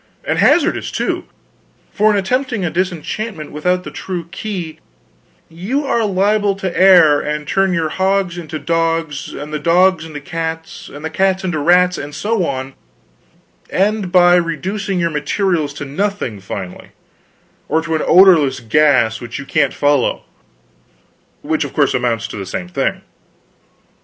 And hazardous, too; for in attempting a disenchantment without the true key, you are liable to err, and turn your hogs into dogs, and the dogs into cats, the cats into rats, and so on, and end by reducing your materials to nothing finally, or to an odorless gas which you can't follow which, of course, amounts to the same thing.